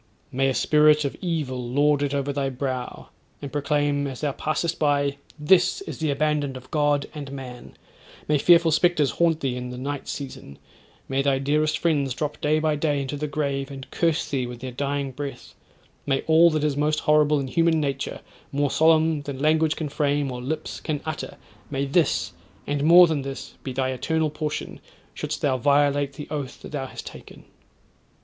May a spirit of evil lord it over thy brow, and proclaim, as thou passest by, "THIS IS THE ABANDONED OF GOD AND MAN;" may fearful spectres haunt thee in the night season; may thy dearest friends drop day by day into the grave, and curse thee with their dying breath: may all that is most horrible in human nature, more solemn than language can frame, or lips can utter, may this, and more than this, be thy eternal portion, shouldst thou violate the oath that thou has taken.'